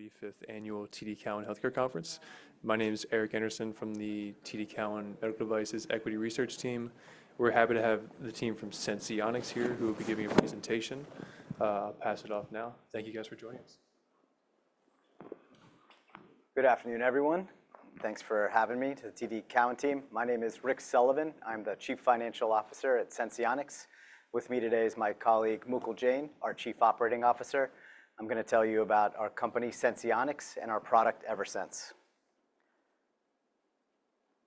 45th Annual TD Cowen Healthcare Conference. My name is Eric Anderson from the TD Cowen Medical Devices Equity Research Team. We're happy to have the team from Senseonics here who will be giving a presentation. I'll pass it off now. Thank you, guys, for joining us. Good afternoon, everyone. Thanks for having me to the TD Cowen team. My name is Rick Sullivan. I'm the Chief Financial Officer at Senseonics. With me today is my colleague Mukul Jain, our Chief Operating Officer. I'm going to tell you about our company, Senseonics, and our product Eversense.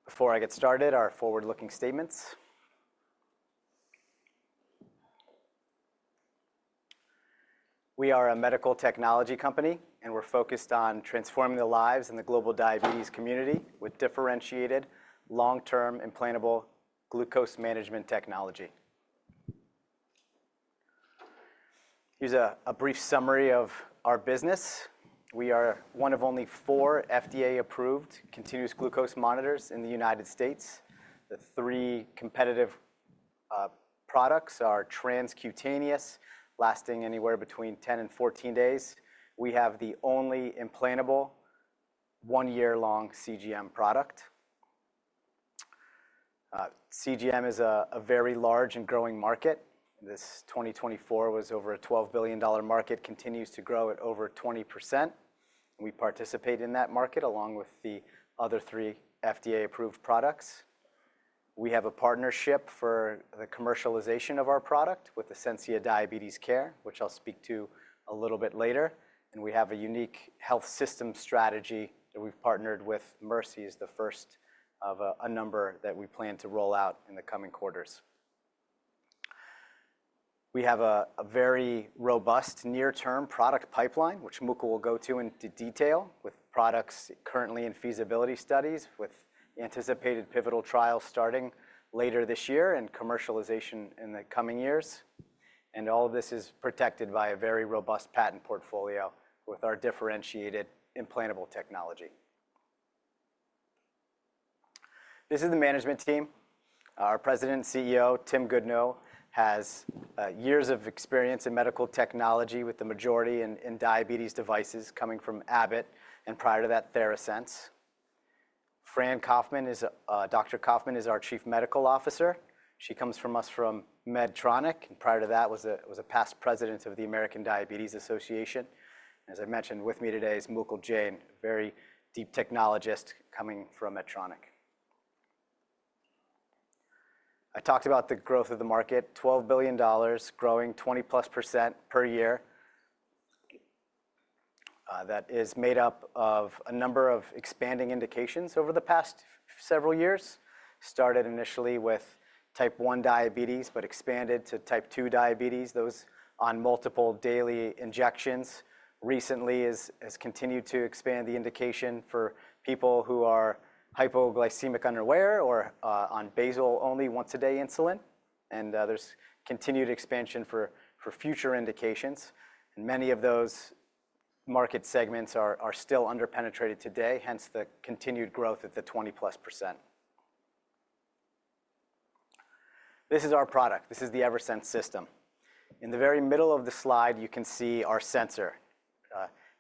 Before I get started, our forward-looking statements. We are a medical technology company, and we're focused on transforming the lives in the global diabetes community with differentiated, long-term implantable glucose management technology. Here's a brief summary of our business. We are one of only four FDA-approved continuous glucose monitors in the United States. The three competitive products are transcutaneous, lasting anywhere between 10 and 14 days. We have the only implantable one-year-long CGM product. CGM is a very large and growing market. This 2024 was over a $12 billion market, continues to grow at over 20%. We participate in that market along with the other three FDA-approved products. We have a partnership for the commercialization of our product with Ascensia Diabetes Care, which I'll speak to a little bit later. We have a unique health system strategy that we've partnered with Mercy, is the first of a number that we plan to roll out in the coming quarters. We have a very robust near-term product pipeline, which Mukul will go to in detail with products currently in feasibility studies, with anticipated pivotal trials starting later this year and commercialization in the coming years. All of this is protected by a very robust patent portfolio with our differentiated implantable technology. This is the management team. Our President and CEO, Tim Goodnow, has years of experience in medical technology with the majority in diabetes devices coming from Abbott and prior to that, TheraSense. Fran Kaufman is Dr. Kaufman is our Chief Medical Officer. She comes from us from Medtronic. Prior to that, was a past President of the American Diabetes Association. As I mentioned, with me today is Mukul Jain, very deep technologist coming from Medtronic. I talked about the growth of the market, $12 billion, growing 20%+ per year. That is made up of a number of expanding indications over the past several years. Started initially with type 1 diabetes, but expanded to type 2 diabetes. Those on multiple daily injections recently has continued to expand the indication for people who are hypoglycemic unaware or on basal-only once a day insulin. There is continued expansion for future indications. Many of those market segments are still underpenetrated today, hence the continued growth at the 20%+. This is our product. This is the Eversense system. In the very middle of the slide, you can see our sensor.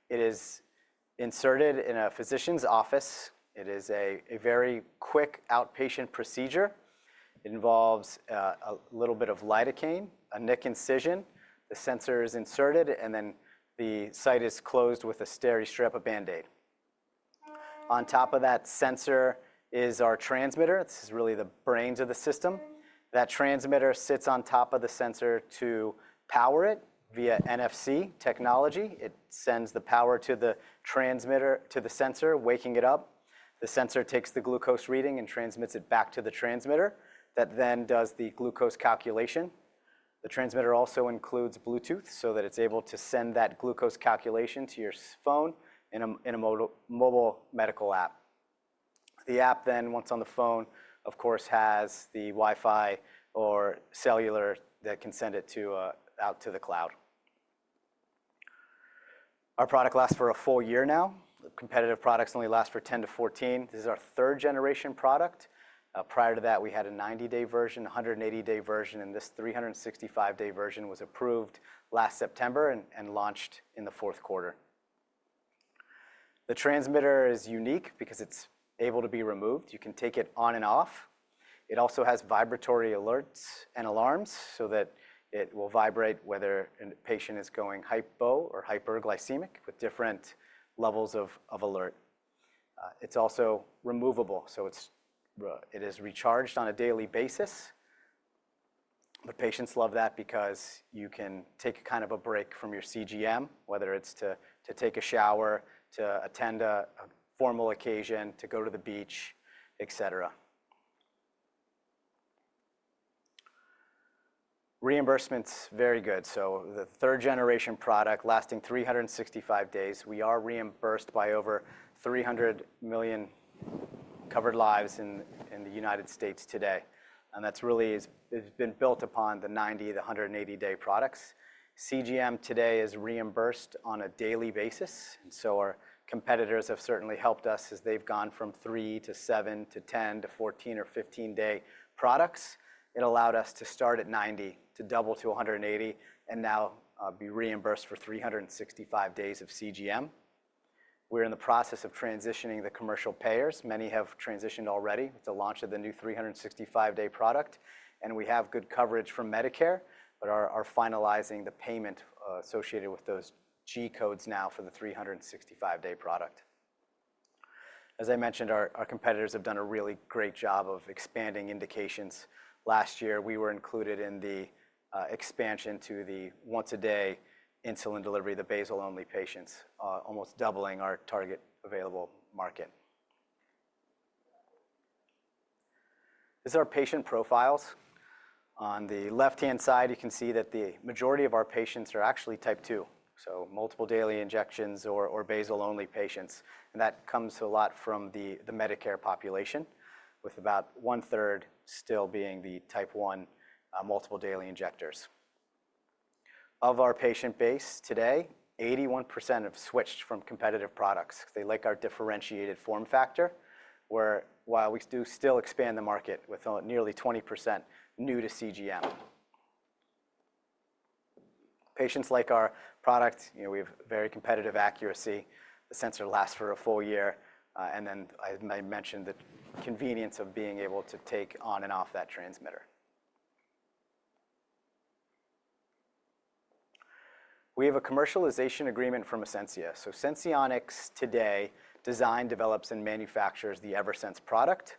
It is inserted in a physician's office. It is a very quick outpatient procedure. It involves a little bit of lidocaine, a nick incision. The sensor is inserted, and then the site is closed with a Steri-Strip, a Band-Aid. On top of that sensor is our transmitter. This is really the brains of the system. That transmitter sits on top of the sensor to power it via NFC technology. It sends the power to the transmitter to the sensor, waking it up. The sensor takes the glucose reading and transmits it back to the transmitter. That then does the glucose calculation. The transmitter also includes Bluetooth so that it's able to send that glucose calculation to your phone in a mobile medical app. The app then, once on the phone, of course, has the Wi-Fi or cellular that can send it out to the cloud. Our product lasts for a full year now. Competitive products only last for 10 to 14. This is our third-generation product. Prior to that, we had a 90-day version, 180-day version, and this 365-day version was approved last September and launched in the fourth quarter. The transmitter is unique because it's able to be removed. You can take it on and off. It also has vibratory alerts and alarms so that it will vibrate whether a patient is going hypo or hyperglycemic with different levels of alert. It's also removable, so it is recharged on a daily basis. The patients love that because you can take kind of a break from your CGM, whether it's to take a shower, to attend a formal occasion, to go to the beach, et cetera. Reimbursements, very good. The third-generation product lasting 365 days, we are reimbursed by over 300 million covered lives in the United States today. That's really been built upon the 90, the 180-day products. CGM today is reimbursed on a daily basis. Our competitors have certainly helped us as they've gone from three to seven to 10 to 14 or 15-day products. It allowed us to start at 90 to double to 180 and now be reimbursed for 365 days of CGM. We're in the process of transitioning the commercial payers. Many have transitioned already with the launch of the new 365-day product. We have good coverage from Medicare, but are finalizing the payment associated with those G-codes now for the 365-day product. As I mentioned, our competitors have done a really great job of expanding indications. Last year, we were included in the expansion to the once a day insulin delivery, the basal-only patients, almost doubling our target available market. These are patient profiles. On the left-hand side, you can see that the majority of our patients are actually type 2, so multiple daily injections or basal-only patients. That comes a lot from the Medicare population, with about 1/3 still being the type 1 multiple daily injectors. Of our patient base today, 81% have switched from competitive products. They like our differentiated form factor, where while we do still expand the market with nearly 20% new to CGM. Patients like our product, we have very competitive accuracy. The sensor lasts for a full year. I mentioned the convenience of being able to take on and off that transmitter. We have a commercialization agreement from Ascensia. Senseonics today designs, develops, and manufactures the Eversense product.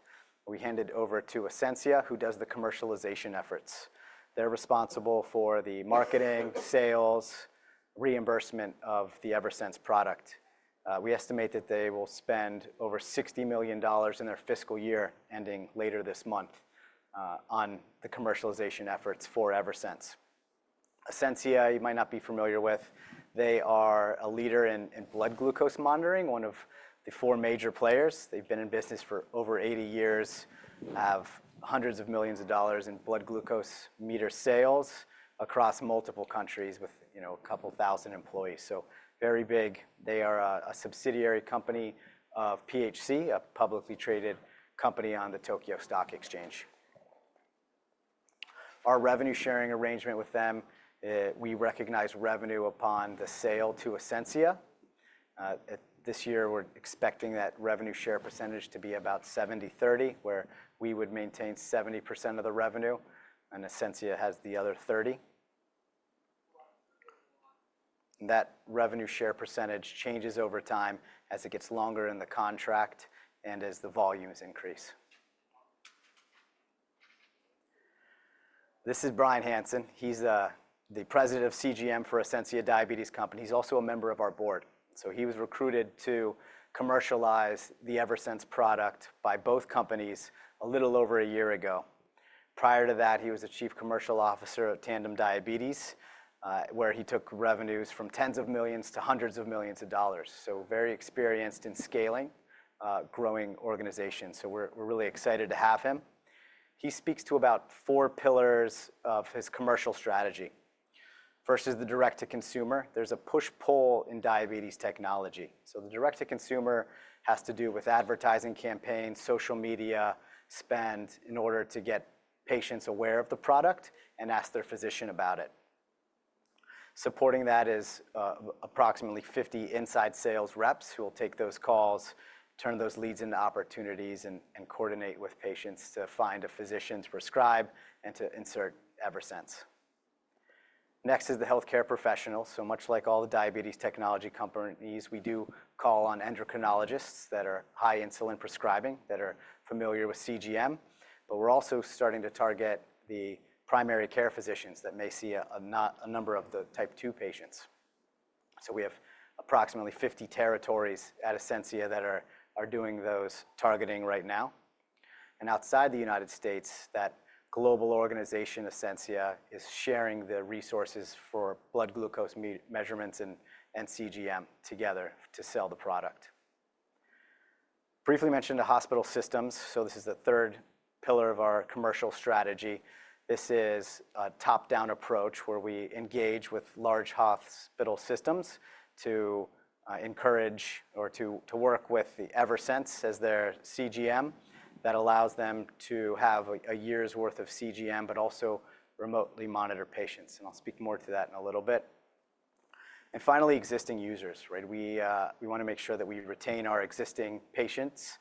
We hand it over to Ascensia, who does the commercialization efforts. They are responsible for the marketing, sales, reimbursement of the Eversense product. We estimate that they will spend over $60 million in their fiscal year ending later this month on the commercialization efforts for Eversense. Ascensia, you might not be familiar with. They are a leader in blood glucose monitoring, one of the four major players. They have been in business for over 80 years, have hundreds of millions of dollars in blood glucose meter sales across multiple countries with a couple thousand employees. Very big. They are a subsidiary company of PHC, a publicly traded company on the Tokyo Stock Exchange. Our revenue sharing arrangement with them, we recognize revenue upon the sale to Ascensia. This year, we're expecting that revenue share percentage to be about 70/30, where we would maintain 70% of the revenue, and Ascensia has the other 30%. That revenue share percentage changes over time as it gets longer in the contract and as the volumes increase. This is Brian Hansen. He's the President of CGM for Ascensia Diabetes Care. He's also a member of our board. He was recruited to commercialize the Eversense product by both companies a little over a year ago. Prior to that, he was a Chief Commercial Officer at Tandem Diabetes, where he took revenues from tens of millions to hundreds of millions of dollars, very experienced in scaling, growing organization. We're really excited to have him. He speaks to about four pillars of his commercial strategy. First is the direct-to-consumer. There's a push-pull in diabetes technology. The direct-to-consumer has to do with advertising campaigns, social media spend in order to get patients aware of the product and ask their physician about it. Supporting that is approximately 50 inside sales reps who will take those calls, turn those leads into opportunities, and coordinate with patients to find a physician's prescribe and to insert Eversense. Next is the healthcare professionals. Much like all the diabetes technology companies, we do call on endocrinologists that are high insulin prescribing, that are familiar with CGM. We're also starting to target the primary care physicians that may see a number of the type 2 patients. We have approximately 50 territories at Ascensia that are doing those targeting right now. Outside the United States., that global organization Ascensia is sharing the resources for blood glucose measurements and CGM together to sell the product. Briefly mentioned the hospital systems. This is the third pillar of our commercial strategy. This is a top-down approach where we engage with large hospital systems to encourage or to work with the Eversense as their CGM that allows them to have a year's worth of CGM, but also remotely monitor patients. I'll speak more to that in a little bit. Finally, existing users. We want to make sure that we retain our existing patients.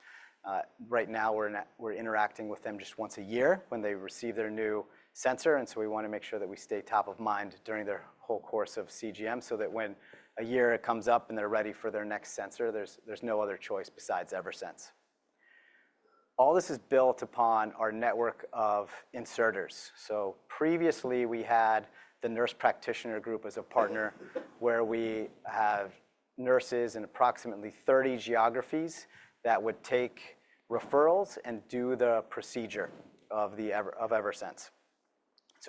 Right now, we're interacting with them just once a year when they receive their new sensor. We want to make sure that we stay top of mind during their whole course of CGM so that when a year comes up and they're ready for their next sensor, there's no other choice besides Eversense. All this is built upon our network of inserters. Previously, we had the nurse practitioner group as a partner where we have nurses in approximately 30 geographies that would take referrals and do the procedure of Eversense.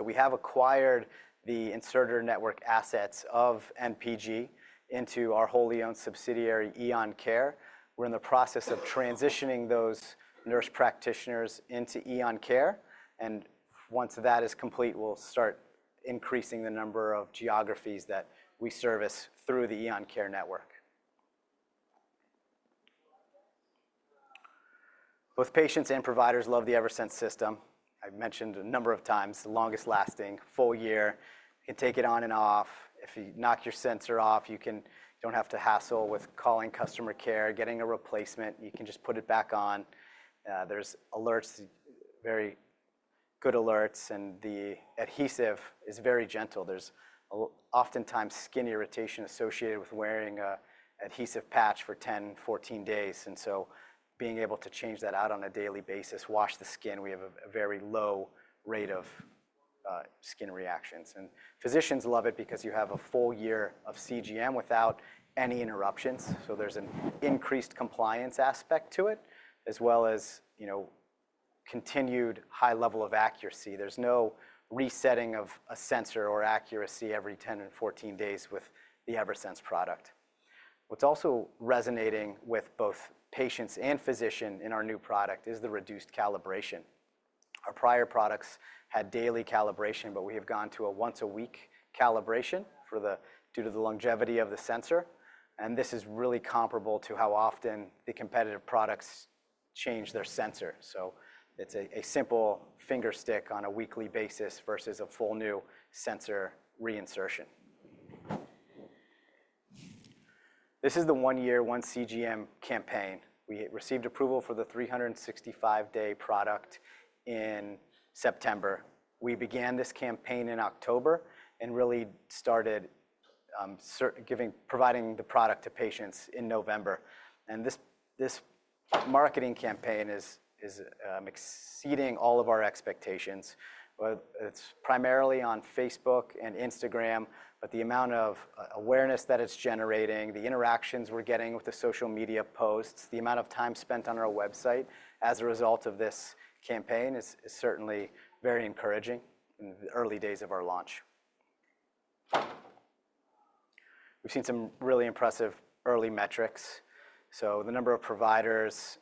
We have acquired the inserter network assets of NPG into our wholly owned subsidiary Eon Care. We're in the process of transitioning those nurse practitioners into Eon Care. Once that is complete, we'll start increasing the number of geographies that we service through the Eon Care network. Both patients and providers love the Eversense system. I've mentioned a number of times, the longest lasting, full year. You can take it on and off. If you knock your sensor off, you don't have to hassle with calling customer care, getting a replacement. You can just put it back on. There are alerts, very good alerts, and the adhesive is very gentle. There is oftentimes skin irritation associated with wearing an adhesive patch for 10-14 days. Being able to change that out on a daily basis, wash the skin, we have a very low rate of skin reactions. Physicians love it because you have a full year of CGM without any interruptions. There is an increased compliance aspect to it, as well as continued high level of accuracy. There is no resetting of a sensor or accuracy every 10 and 14 days with the Eversense product. What is also resonating with both patients and physicians in our new product is the reduced calibration. Our prior products had daily calibration, but we have gone to a once a week calibration due to the longevity of the sensor. This is really comparable to how often the competitive products change their sensor. It is a simple fingerstick on a weekly basis versus a full new sensor reinsertion. This is the One Year, One CGM campaign. We received approval for the 365-day product in September. We began this campaign in October and really started providing the product to patients in November. This marketing campaign is exceeding all of our expectations. It is primarily on Facebook and Instagram, but the amount of awareness that it is generating, the interactions we are getting with the social media posts, the amount of time spent on our website as a result of this campaign is certainly very encouraging in the early days of our launch. We have seen some really impressive early metrics. The number of providers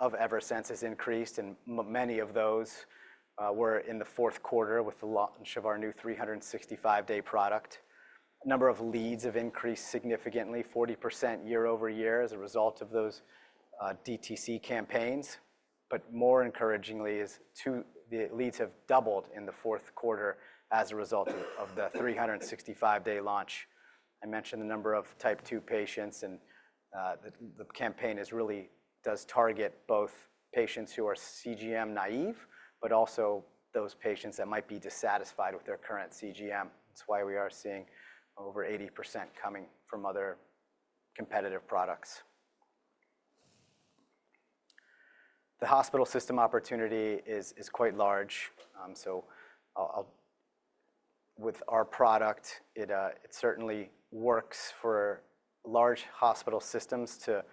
of Eversense has increased, and many of those were in the fourth quarter with the launch of our new 365-day product. Number of leads have increased significantly, 40% year-over-year as a result of those DTC campaigns. More encouragingly, the leads have doubled in the fourth quarter as a result of the 365-day launch. I mentioned the number of type 2 patients, and the campaign really does target both patients who are CGM-naive, but also those patients that might be dissatisfied with their current CGM. That is why we are seeing over 80% coming from other competitive products. The hospital system opportunity is quite large. With our product, it certainly works for large hospital systems to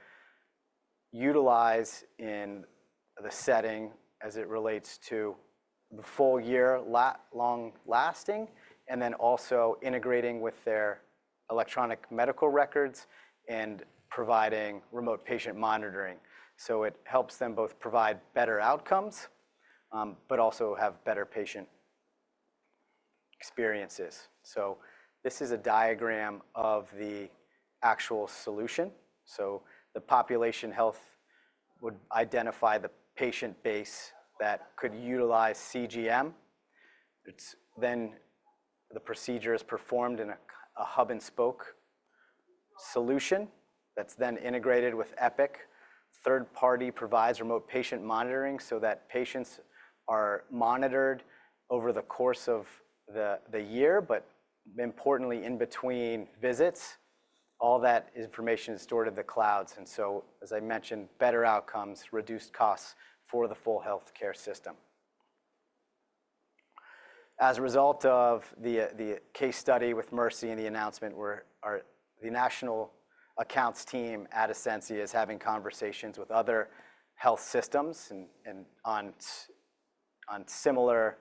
utilize in the setting as it relates to the full year long lasting, and then also integrating with their electronic medical records and providing remote patient monitoring. It helps them both provide better outcomes, but also have better patient experiences. This is a diagram of the actual solution. The population health would identify the patient base that could utilize CGM. The procedure is performed in a hub-and-spoke solution that's then integrated with Epic. Third-party provides remote patient monitoring so that patients are monitored over the course of the year, but importantly, in between visits, all that information is stored in the clouds. As I mentioned, better outcomes, reduced costs for the full healthcare system. As a result of the case study with Mercy and the announcement, the national accounts team at Ascensia is having conversations with other health systems on similar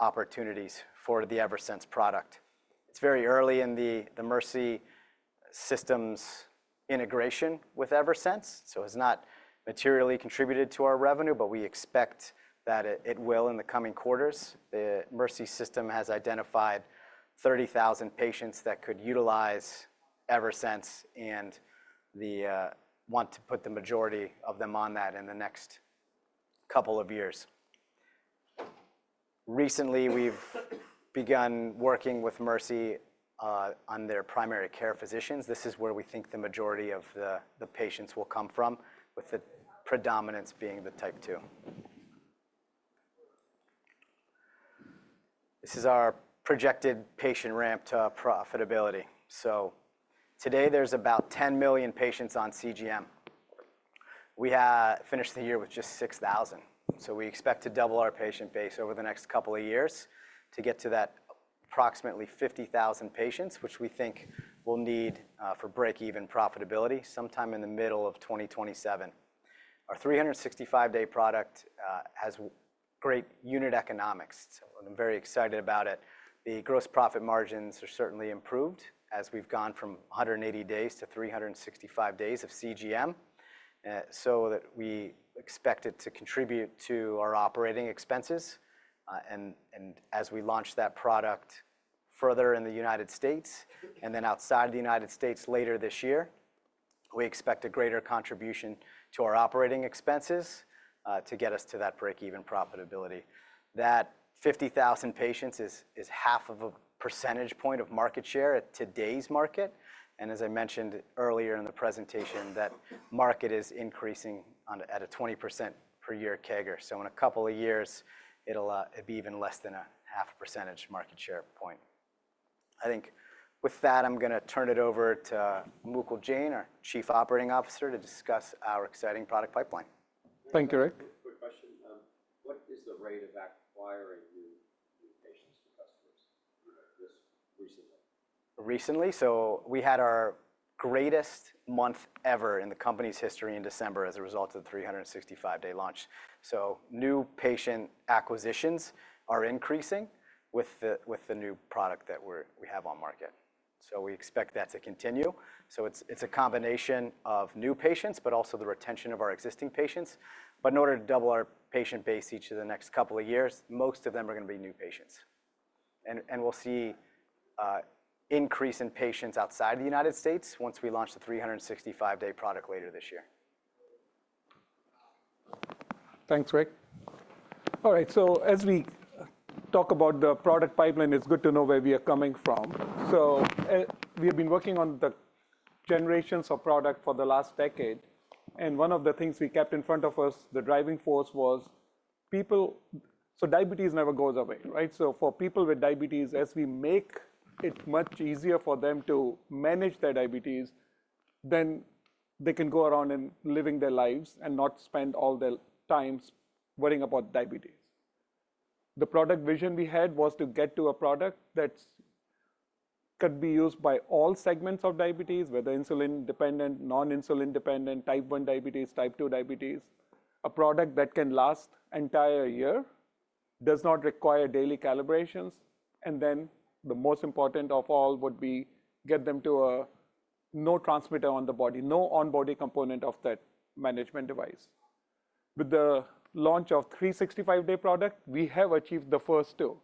opportunities for the Eversense product. It's very early in the Mercy systems integration with Eversense. It has not materially contributed to our revenue, but we expect that it will in the coming quarters. The Mercy system has identified 30,000 patients that could utilize Eversense and want to put the majority of them on that in the next couple of years. Recently, we've begun working with Mercy on their primary care physicians. This is where we think the majority of the patients will come from, with the predominance being the type 2. This is our projected patient ramp to profitability. Today, there's about 10 million patients on CGM. We finished the year with just 6,000. We expect to double our patient base over the next couple of years to get to that approximately 50,000 patients, which we think we'll need for break-even profitability sometime in the middle of 2027. Our 365-day product has great unit economics. I'm very excited about it. The gross profit margins are certainly improved as we've gone from 180 days to 365 days of CGM. We expect it to contribute to our operating expenses. As we launch that product further in the United States and then outside the United States later this year, we expect a greater contribution to our operating expenses to get us to that break-even profitability. That 50,000 patients is half of a percentage point of market share at today's market. As I mentioned earlier in the presentation, that market is increasing at a 20% per year CAGR. In a couple of years, it'll be even less than a half percentage market share point. I think with that, I'm going to turn it over to Mukul Jain, our Chief Operating Officer, to discuss our exciting product pipeline. Thank you, Rick. Quick question. What is the rate of acquiring new patients and customers recently? Recently? We had our greatest month ever in the company's history in December as a result of the 365-day launch. New patient acquisitions are increasing with the new product that we have on market. We expect that to continue. It is a combination of new patients, but also the retention of our existing patients. In order to double our patient base each of the next couple of years, most of them are going to be new patients. We will see an increase in patients outside the United States once we launch the 365-day product later this year. Thanks, Rick. All right. As we talk about the product pipeline, it's good to know where we are coming from. We have been working on the generations of product for the last decade. One of the things we kept in front of us, the driving force was people. Diabetes never goes away, right? For people with diabetes, as we make it much easier for them to manage their diabetes, then they can go around living their lives and not spend all their time worrying about diabetes. The product vision we had was to get to a product that could be used by all segments of diabetes, whether insulin-dependent, non-insulin-dependent, type 1 diabetes, type 2 diabetes, a product that can last an entire year, does not require daily calibrations. The most important of all would be to get them to a no transmitter on the body, no on-body component of that management device. With the launch of the 365-day product, we have achieved the first two.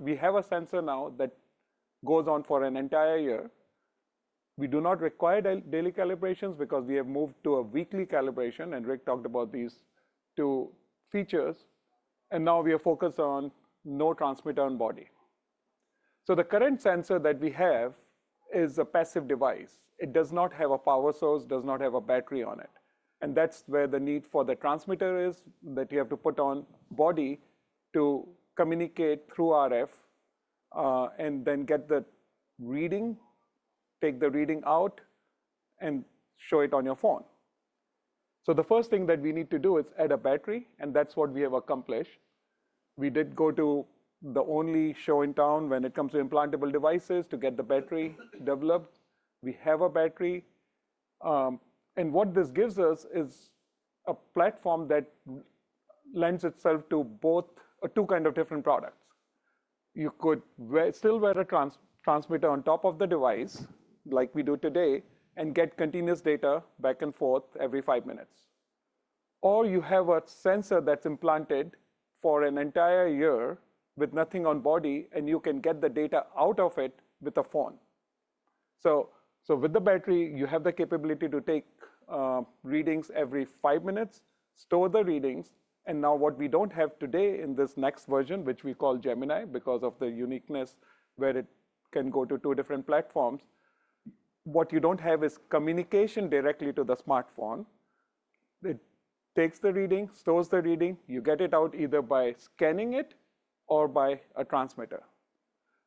We have a sensor now that goes on for an entire year. We do not require daily calibrations because we have moved to a weekly calibration. Rick talked about these two features. Now we are focused on no transmitter on body. The current sensor that we have is a passive device. It does not have a power source, does not have a battery on it. That is where the need for the transmitter is, that you have to put on body to communicate through RF and then get the reading, take the reading out, and show it on your phone. The first thing that we need to do is add a battery. That is what we have accomplished. We did go to the only show in town when it comes to implantable devices to get the battery developed. We have a battery. What this gives us is a platform that lends itself to two kinds of different products. You could still wear a transmitter on top of the device like we do today and get continuous data back and forth every five minutes. You have a sensor that is implanted for an entire year with nothing on body, and you can get the data out of it with a phone. With the battery, you have the capability to take readings every five minutes, store the readings. What we don't have today in this next version, which we call Gemini because of the uniqueness where it can go to two different platforms, what you don't have is communication directly to the smartphone. It takes the reading, stores the reading. You get it out either by scanning it or by a transmitter.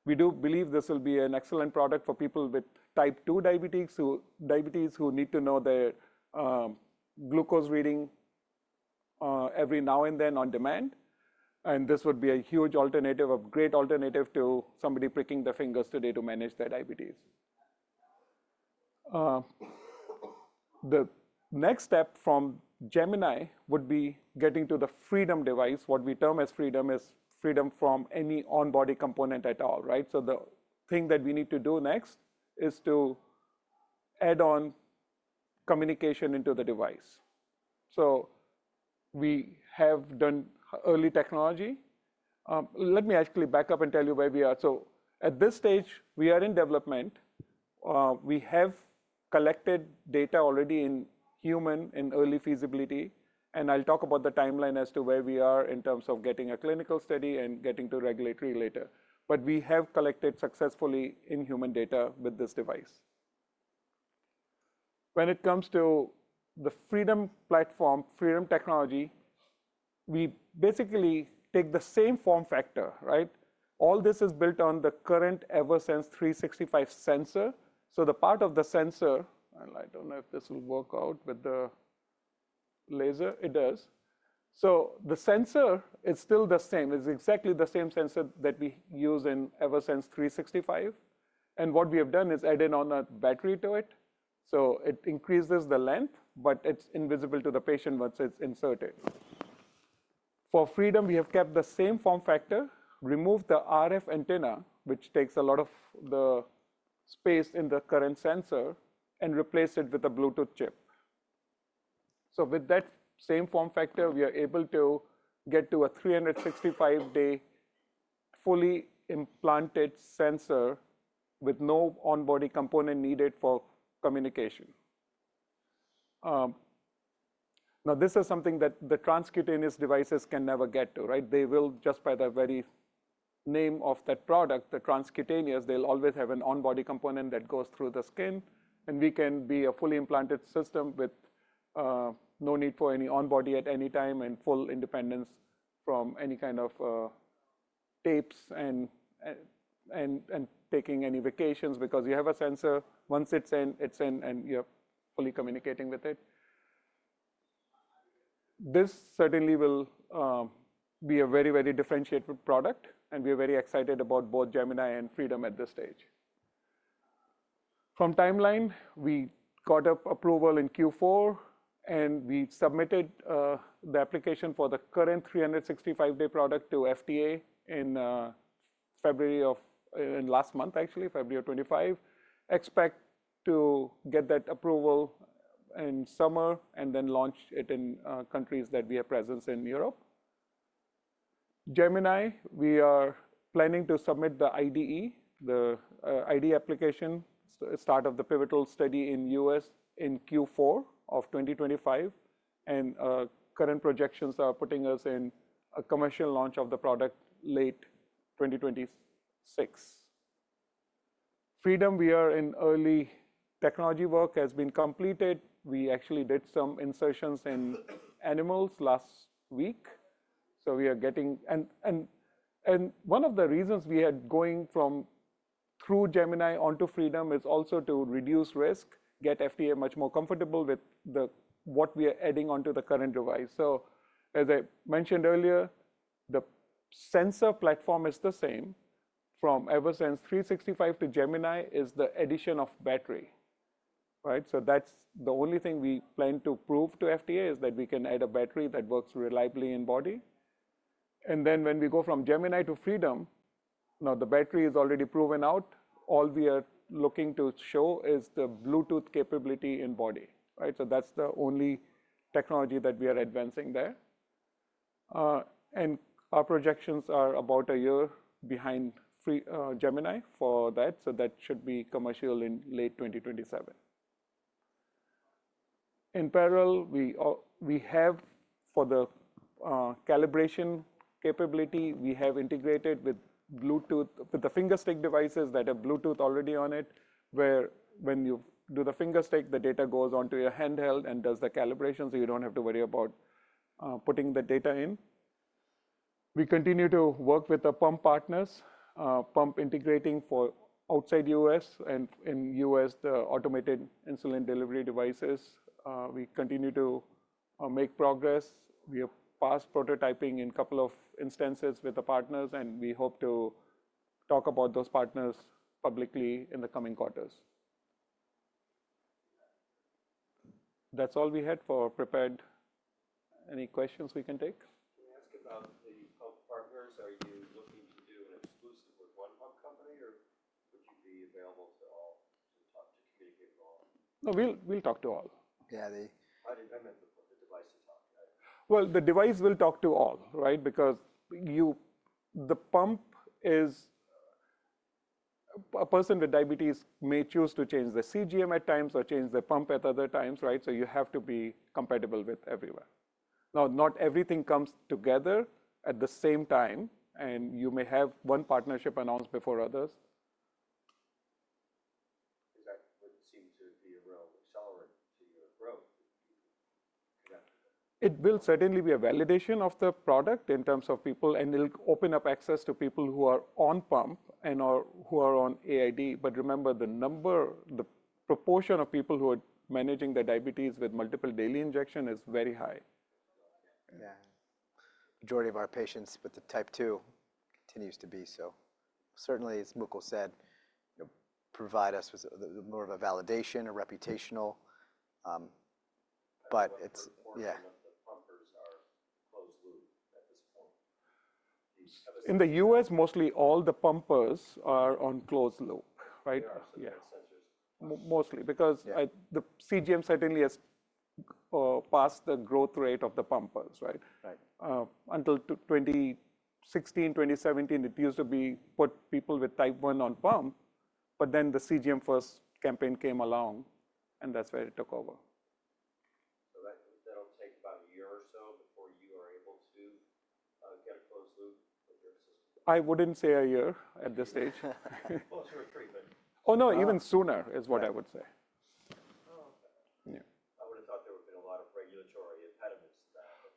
We do believe this will be an excellent product for people with type 2 diabetes who need to know their glucose reading every now and then on demand. This would be a huge alternative, a great alternative to somebody pricking their fingers today to manage their diabetes. The next step from Gemini would be getting to the Freedom device. What we term as Freedom is freedom from any on-body component at all, right? The thing that we need to do next is to add on communication into the device. We have done early technology. Let me actually back up and tell you where we are. At this stage, we are in development. We have collected data already in human and early feasibility. I'll talk about the timeline as to where we are in terms of getting a clinical study and getting to regulatory later. We have collected successfully in human data with this device. When it comes to the Freedom platform, Freedom technology, we basically take the same form factor, right? All this is built on the current Eversense 365 sensor. The part of the sensor, and I don't know if this will work out with the laser, it does. The sensor is still the same. It's exactly the same sensor that we use in Eversense 365. What we have done is added on a battery to it. It increases the length, but it's invisible to the patient once it's inserted. For Freedom, we have kept the same form factor, removed the RF antenna, which takes a lot of the space in the current sensor, and replaced it with a Bluetooth chip. With that same form factor, we are able to get to a 365-day fully implanted sensor with no on-body component needed for communication. This is something that the transcutaneous devices can never get to, right? They will, just by the very name of that product, the transcutaneous, always have an on-body component that goes through the skin. We can be a fully implanted system with no need for any on-body at any time and full independence from any kind of tapes and taking any vacations because you have a sensor. Once it's in, it's in, and you're fully communicating with it. This certainly will be a very, very differentiated product. We are very excited about both Gemini and Freedom at this stage. From timeline, we got approval in Q4, and we submitted the application for the current 365-day product to FDA last month, actually, February 25. Expect to get that approval in summer and then launch it in countries that we have presence in Europe. Gemini, we are planning to submit the IDE application, start of the pivotal study in the U.S. in Q4 of 2025. Current projections are putting us in a commercial launch of the product late 2026. Freedom, we are in early technology work has been completed. We actually did some insertions in animals last week. We are getting one of the reasons we are going through Gemini onto Freedom is also to reduce risk, get FDA much more comfortable with what we are adding onto the current device. As I mentioned earlier, the sensor platform is the same. From Eversense 365 to Gemini is the addition of battery, right? That is the only thing we plan to prove to FDA is that we can add a battery that works reliably in body. When we go from Gemini to Freedom, now the battery is already proven out. All we are looking to show is the Bluetooth capability in body, right? That is the only technology that we are advancing there. Our projections are about a year behind Gemini for that. That should be commercial in late 2027. In parallel, we have for the calibration capability, we have integrated with Bluetooth, with the fingerstick devices that have Bluetooth already on it, where when you do the fingerstick, the data goes onto your handheld and does the calibration. You do not have to worry about putting the data in. We continue to work with the pump partners, pump integrating for outside the U.S. and in the U.S., the automated insulin delivery devices. We continue to make progress. We have passed prototyping in a couple of instances with the partners. We hope to talk about those partners publicly in the coming quarters. That is all we had for prepared. Any questions we can take? Can I ask about the pump partners? Are you looking to do an exclusive with one pump company, or would you be available to all to communicate with all? No, we'll talk to all. I meant the device to talk. The device will talk to all, right? Because the pump is a person with diabetes may choose to change the CGM at times or change the pump at other times, right? You have to be compatible with everyone. Not everything comes together at the same time. You may have one partnership announced before others. Is that what seems to be a real accelerant to your growth? It will certainly be a validation of the product in terms of people. It'll open up access to people who are on pump and who are on AID. Remember, the number, the proportion of people who are managing their diabetes with multiple daily injections is very high. Yeah. Majority of our patients with the type 2 continues to be so. Certainly, as Mukul said, provide us with more of a validation, a reputational. Yeah. How long have the pumpers are closed loop at this point? In the U.S., mostly all the pumpers are on closed loop, right? Yeah. Mostly. Because the CGM certainly has passed the growth rate of the pumpers, right? Until 2016, 2017, it used to be put people with type 1 on pump. But then the CGM first campaign came along, and that's where it took over. That'll take about a year or so before you are able to get a closed loop with your system? I wouldn't say a year at this stage. Closer to three, but. Oh, no, even sooner is what I would say. I would have thought there would have been a lot of regulatory impediments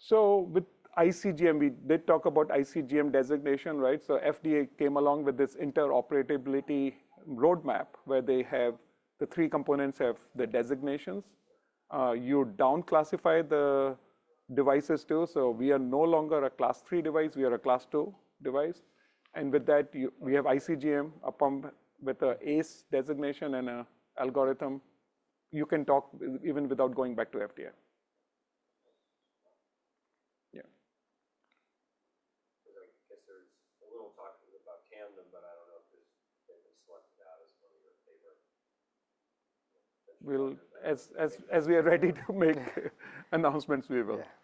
to that. With iCGM, we did talk about iCGM designation, right? FDA came along with this interoperability roadmap where they have the three components have the designations. You downclassify the devices too. We are no longer a Class III device. We are a Class II device. With that, we have iCGM, a pump with an ACE designation and an algorithm. You can talk even without going back to FDA. Yeah. I guess there was a little talk about Tandem, but I don't know if they've been selected out as one of your favorite. As we are ready to make announcements, we will. Thanks.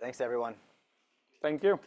Thanks, everyone. Thank you.